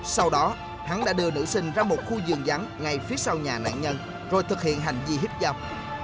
sau đó hắn đã đưa nữ sinh ra một khu giường dán ngay phía sau nhà nạn nhân rồi thực hiện hành vi hiếp dâm